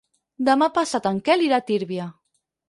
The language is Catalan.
Demà passat en Quel irà a Tírvia.